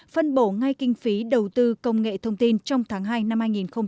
phân bổ ngay kinh phí đầu tư công nghệ thông tin trong tháng hai năm hai nghìn hai mươi